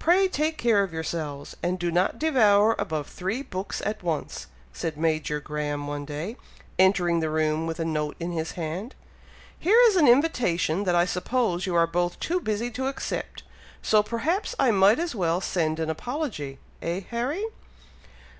Pray take care of yourselves, and do not devour above three books at once," said Major Graham one day, entering the room with a note in his hand. "Here is an invitation that I suppose you are both too busy to accept, so perhaps I might as well send an apology; eh, Harry?"